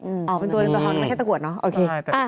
อ๋อเป็นตัวเงินตัวทองนี่ไม่ใช่ตะกรวดเนอะโอเคอ่า